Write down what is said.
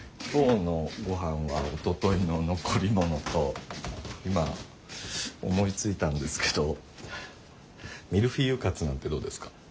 今日のごはんはおとといの残りものと今思いついたんですけどミルフィーユカツなんてどうですか？